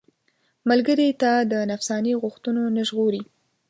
ملګری تا د نفساني غوښتنو نه ژغوري.